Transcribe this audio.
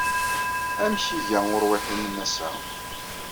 Amek iga uṛwiḥ-nnem ass-a?